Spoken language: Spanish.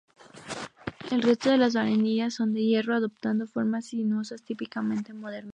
El resto de las barandillas son de hierro, adoptando formas sinuosas típicamente modernistas.